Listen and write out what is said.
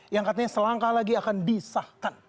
yang katanya selangkah lagi akan disahkan